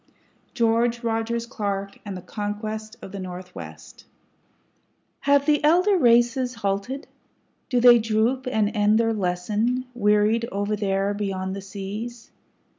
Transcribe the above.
GEORGE ROGERS CLARK AND THE CONQUEST OF THE NORTHWEST Have the elder races halted? Do they droop and end their lesson, wearied over there beyond the seas?